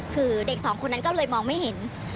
คือเด็กสองคนนั้นก็เลยมองไม่เห็น